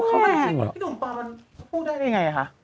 พี่หนุ่มปอมันพูดได้ได้ยังไงคะ